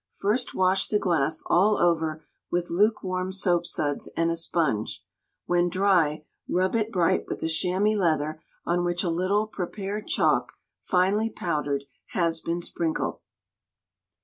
First wash the glass all over with lukewarm soapsuds and a sponge. When dry, rub it bright with a chamois leather on which a little prepared chalk, finely powdered, has been sprinkled.